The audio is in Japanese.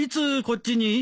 こっちに？